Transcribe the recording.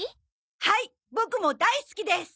はいボクも大好きです。